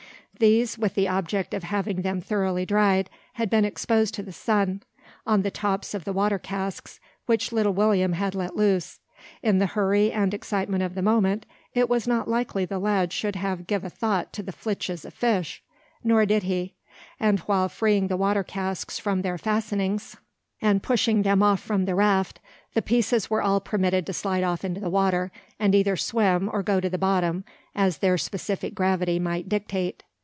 These, with the object of having them thoroughly dried, had been exposed to the sun, on the tops of the water casks which little William had let loose. In the hurry and excitement of the moment, it was not likely the lad should give a thought to the flitches of fish. Nor did he; and while freeing the water casks from their fastenings, and pushing them off from the raft, the pieces were all permitted to slide off into the water, and either swim or go to the bottom, as their specific gravity might dictate.